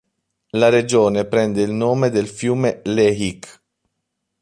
La regione prende il nome dal fiume Lehigh.